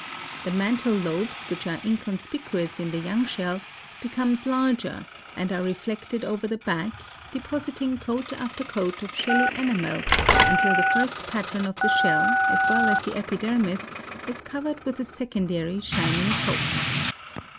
The mantle lobes, which are inconspicuous in the young shell, becomes larger and are reflected over the back, depositing coat after coat of shelly enamel until the first pattern of the shell, as well as the epidermis, is covered with a secondary, shining coat.